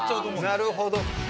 なるほど。